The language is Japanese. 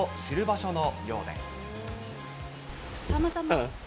たまたま。